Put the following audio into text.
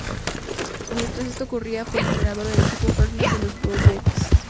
Mientras eso ocurría, fue el entrenador del equipo freshman de los "Buckeyes".